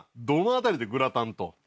どの辺りでグラタンと？